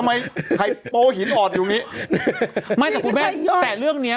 ไม่คุณแม็กซ์เอาฟังธงเนื้อพี่๓๙๕๕